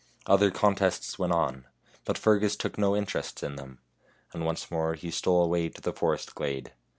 Other contests went on, but Fergus took no interest in them; and once more he stole away to the forest glade.